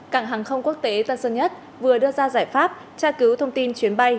cảng hàng không quốc tế tân sơn nhất vừa đưa ra giải pháp tra cứu thông tin chuyến bay